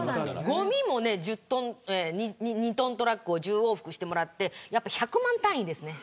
ごみも２トントラックを１０往復してもらってやっぱ、１００万単位ですね。